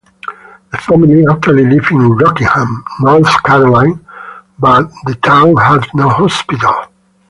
The family actually lived in Rockingham, North Carolina but the town had no hospital.